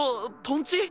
とんち？